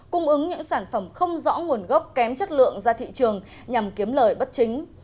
cung ứng những sản phẩm không rõ nguồn gốc kém chất lượng ra thị trường nhằm kiếm lời bất chính